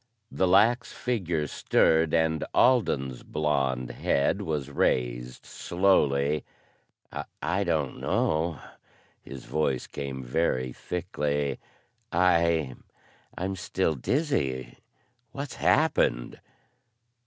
The lax figure stirred and Alden's blonde head was raised slowly. "I don't know." His voice came very thickly. "I I'm still dizzy. What's happened?"